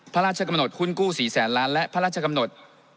พระราชกำหนดหุ้นกู้๔แสนล้านและพระราชกำหนด